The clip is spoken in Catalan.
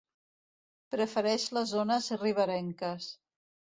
Prefereix les zones riberenques.